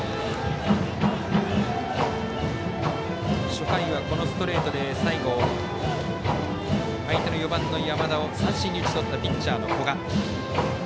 初回はストレートで最後、相手の４番の山田を三振に打ち取ったピッチャーの古賀。